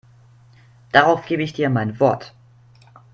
Darauf gebe ich dir mein Wort.